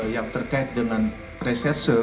yang terkait dengan reserse